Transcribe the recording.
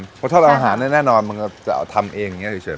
เพราะชอบทำอาหารแน่นอนมันก็จะทำเองอย่างนี้เฉย